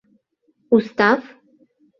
— Устав?